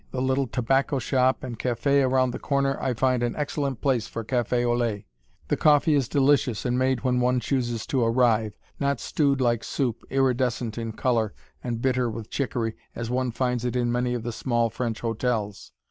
The little tobacco shop and café around the corner I find an excellent place for café au lait. The coffee is delicious and made when one chooses to arrive, not stewed like soup, iridescent in color, and bitter with chicory, as one finds it in many of the small French hotels.